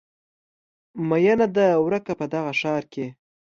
میینه ده ورکه په دغه ښار کې